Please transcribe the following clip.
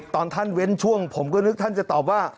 ตอนท่านเว้นช่วงผมก็นึกท่านจะตอบว่า